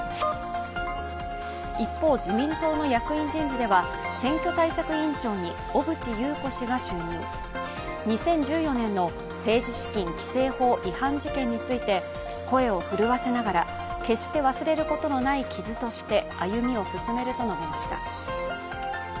一方、自民党の役員人事では選挙対策委員長に小渕優子氏が就任２０１４年の政治資金規正法違反事件について声を震わせながら決して忘れることのない傷として歩みを進めると述べました。